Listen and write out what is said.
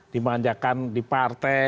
dimanjakan di partai